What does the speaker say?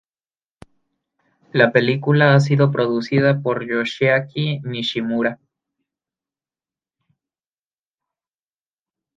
La película ha sido producida por Yoshiaki Nishimura.